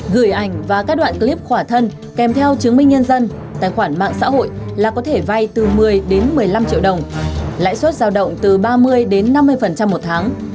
gửi ảnh và các đoạn clip khỏa thân kèm theo chứng minh nhân dân tài khoản mạng xã hội là có thể vay từ một mươi đến một mươi năm triệu đồng lãi suất giao động từ ba mươi đến năm mươi một tháng